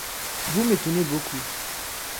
Vous m'étonnez beaucoup.